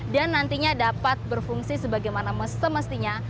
dan nantinya dapat berfungsi sebagaimana semestinya